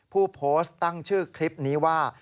ผู้โพสต์ตั้งชื่อคลิปนี้ว่า